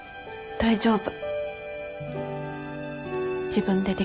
大丈夫。